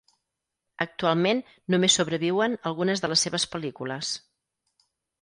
Actualment només sobreviuen algunes de les seves pel·lícules.